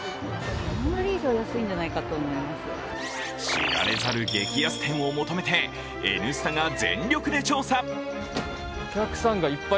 知られざる激安店を求めて「Ｎスタ」が全力で調査。